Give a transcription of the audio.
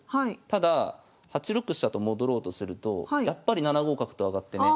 ただ８六飛車と戻ろうとするとやっぱり７五角と上がってね。